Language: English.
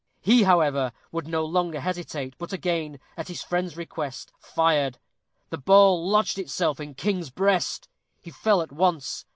He, however, would no longer hesitate, but again, at his friend's request, fired. The ball lodged itself in King's breast! He fell at once.